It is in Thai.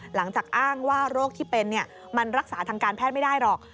หลังจากอ้างว่าโรคที่เป็นมันรักษาทางการแพทย์ไม่ได้หรอก